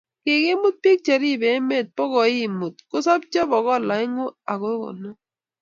Kigimut biko cheribe emet boko l muut, kosobcho bokol aengu ago konom--